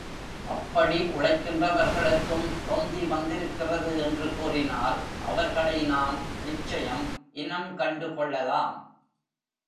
அப்படி உழைக்கின்ற வர்களுக்கும் தொந்தி வந்திருக்கிறது என்று கூறினால், அவர்களை நாம் நிச்சயம் இனங்கண்டுகொள்ளலாம்.